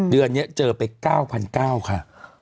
เดือนนี้เจอไป๙๙๐๐ค่ะ